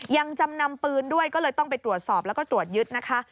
ยังจำนำปืนด้วยก็เลยต้องไปตรวจสอบแล้วก็ตรวจยึดนะคะ